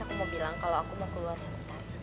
aku mau bilang kalau aku mau keluar sebentar